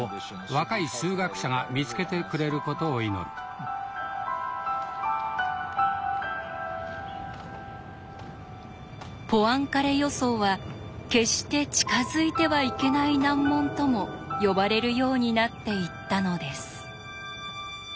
タイトルはポアンカレ予想は「決して近づいてはいけない難問」とも呼ばれるようになっていったのです。